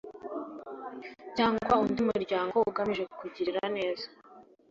cyangwa undi muryango ugamije kugirira neza